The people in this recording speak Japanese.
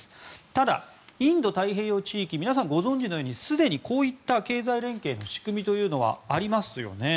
ただ、インド太平洋地域皆さんご存じのようにすでにこういった経済連携の仕組みはありますよね。